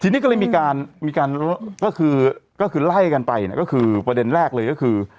ทีนี้ก็เลยมีการมีการก็คือไล่กันไปเนี่ยก็คือประเด็นแรกเลยก็คือ